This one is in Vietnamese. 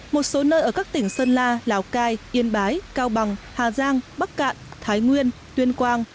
một số nơi ở các tỉnh sơn la lào cai yên bái cao bằng hà giang bắc cạn thái nguyên tuyên quang